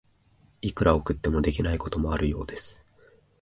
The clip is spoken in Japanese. いくら送っても、できないこともあるようです。